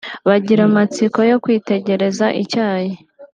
bagira amatsiko yo kwitegereza icyayi